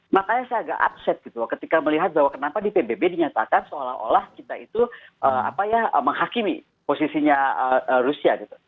makanya saya agak upset gitu ketika melihat bahwa kenapa di pbb dinyatakan seolah olah kita itu menghakimi posisinya rusia gitu